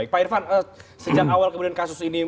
pak irfan sejak awal kemudian kasus ini